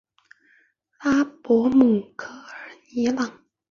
拉博姆科尔尼朗。